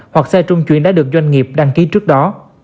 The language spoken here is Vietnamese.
hoặc xe trung chuyển đã được doanh nghiệp đăng ký trước đó